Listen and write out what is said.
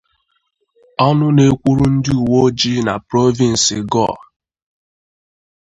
ọnụ na-ekwuru ndị uwe ojii na Prọvịnsụ Ghor